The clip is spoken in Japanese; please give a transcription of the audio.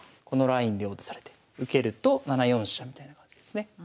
このラインで王手されて受けると７四飛車みたいな感じですね。